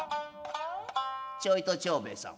「ちょいと長兵衛さん」。